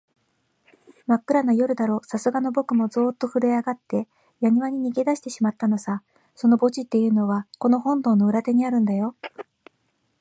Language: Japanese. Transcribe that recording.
まっくらな夜だろう、さすがのぼくもゾーッとふるえあがって、やにわに逃げだしてしまったのさ。その墓地っていうのは、この本堂の裏手にあるんだよ。